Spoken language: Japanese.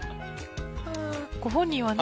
ご本人はね